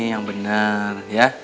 yang bener ya